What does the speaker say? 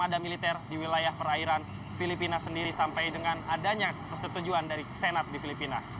ada militer di wilayah perairan filipina sendiri sampai dengan adanya persetujuan dari senat di filipina